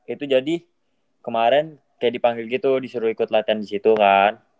itu jadi kemarin kayak dipanggil gitu disuruh ikut latihan di situ kan